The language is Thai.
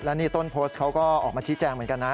นี่ต้นโพสต์เขาก็ออกมาชี้แจงเหมือนกันนะ